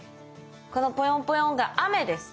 このポヨンポヨンが雨です。